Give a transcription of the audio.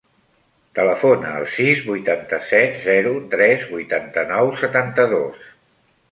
Telefona al sis, vuitanta-set, zero, tres, vuitanta-nou, setanta-dos.